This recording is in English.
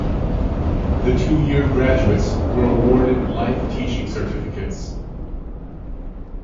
The two-year graduates were awarded life teaching certificates.